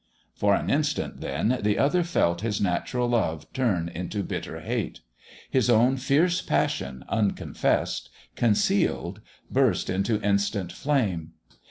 For an instant, then, the other felt his natural love turn into bitter hate. His own fierce passion, unconfessed, concealed, burst into instant flame.